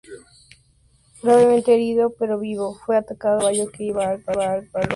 Gravemente herido, pero vivo, fue atado a un caballo que iba al galope.